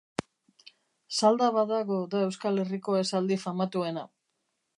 "Salda badago" da Euskal Herriko esaldi famatuena.